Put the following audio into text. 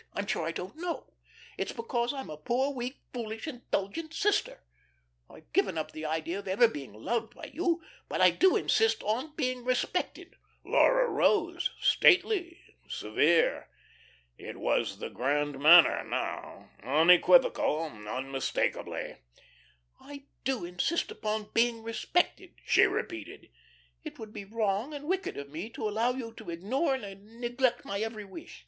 I'm sure I don't know. It's because I'm a poor weak, foolish, indulgent sister. I've given up the idea of ever being loved by you; but I do insist on being respected." Laura rose, stately, severe. It was the "grand manner" now, unequivocally, unmistakably. "I do insist upon being respected," she repeated. "It would be wrong and wicked of me to allow you to ignore and neglect my every wish.